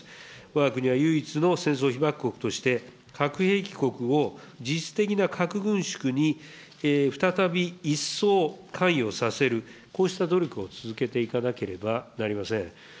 わが国は唯一の戦争被爆国として、核兵器国を実質的な核軍縮に再び一層関与させる、こうした努力を続けていかなければなりません。